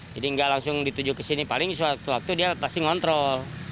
jadi gak langsung dituju kesini paling suatu waktu dia pasti ngontrol